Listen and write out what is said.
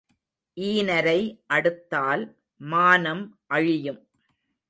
ஈனரை அடுத்தால் மானம் அழியும்.